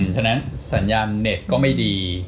ฉะนั้นสัญญาณเน็ตก็ไม่ดี